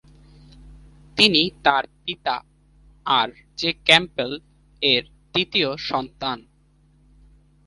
তিনি তার পিতা আর জে ক্যাম্পবেল এর তৃতীয় সন্তান।